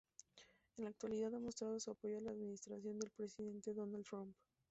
En la actualidad, ha mostrado su apoyo a la administración del presidente Donald Trump.